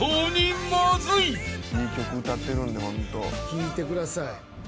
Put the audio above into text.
聴いてください。